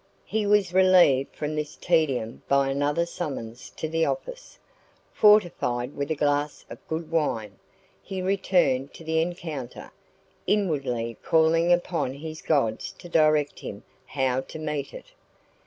He was relieved from this tedium by another summons to the office. Fortified with a glass of good wine, he returned to the encounter, inwardly calling upon his gods to direct him how to meet it.